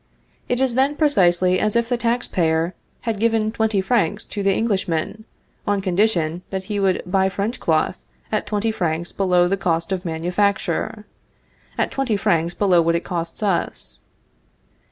It is then precisely as if the tax payers had given twenty francs to the Englishman, on condition that he would buy French cloth at twenty francs below the cost of manufacture, at twenty francs below what it costs us.